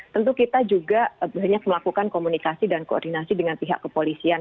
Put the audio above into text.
tentu kita juga banyak melakukan komunikasi dan koordinasi dengan pihak kepolisian